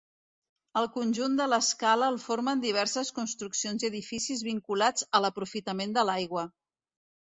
El conjunt de l'Escala el formen diverses construccions i edificis vinculats a l'aprofitament de l'aigua.